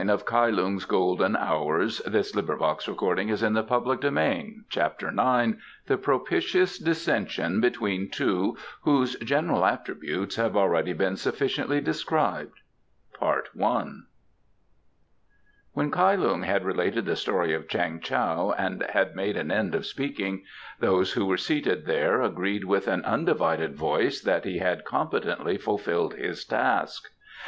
"That is a very common complaint," said Pe lung, becoming most offensively amused. CHAPTER IX The Propitious Dissension between Two whose General Attributes have already been sufficiently Described When Kai Lung had related the story of Chang Tao and had made an end of speaking, those who were seated there agreed with an undivided voice that he had competently fulfilled his task.